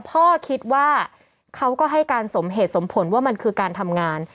พ่อคิดว่าเขาก็ให้การสมเหตุสมผลว่ามันคือการทำงาน